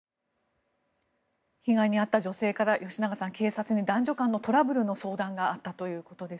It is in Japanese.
被害に遭った女性から吉永さん、警察に男女間のトラブルの相談があったということです。